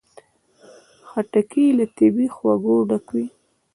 خټکی له طبیعي خوږو ډک وي.